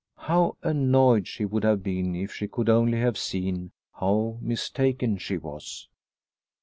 How annoyed she would have been if she could only have seen how mistaken she was.